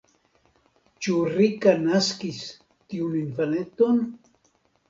Ĉu Rika naskis tiun infaneton?